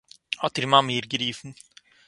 האָט איר מאַמע איר גערופן.